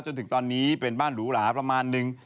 ไปตรงนี้เป็นบ้านหรูหราประมาณนึง